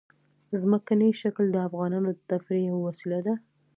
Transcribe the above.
ځمکنی شکل د افغانانو د تفریح یوه وسیله ده.